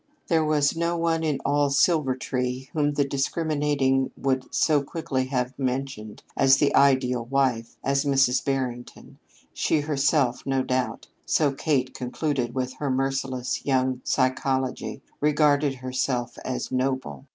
There was no one in all Silvertree whom the discriminating would so quickly have mentioned as the ideal wife as Mrs. Barrington. She herself, no doubt, so Kate concluded with her merciless young psychology, regarded herself as noble.